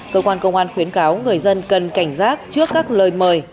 cơ quan công an khuyến cáo người dân cần cảnh giác trước các lời mời